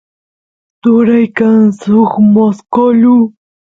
turay kan suk mosqolu